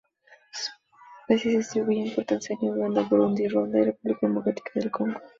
Sus especies se distribuyen por Tanzania, Uganda, Burundi, Ruanda y República Democrática del Congo.